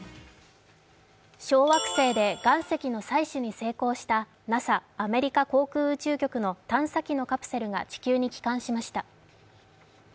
小惑星で岩石の採取に成功したＮＡＳＡ＝航空宇宙局の探査機のカプセルが地球に帰還しました。